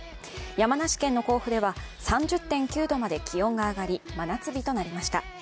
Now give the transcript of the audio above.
山梨県の甲府では３０．９度まで気温が上がり、真夏日となりました。